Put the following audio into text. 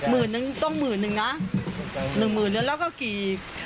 หมื่นนึงต้องหมื่นนึงนะหนึ่งหมื่นแล้วแล้วก็กี่